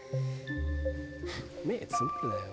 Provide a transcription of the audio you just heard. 「目つむるなよ